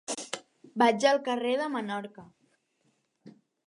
Vaig al carrer de Menorca.